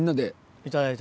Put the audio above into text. いただいて。